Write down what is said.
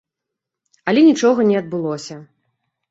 Але нічога не адбылося.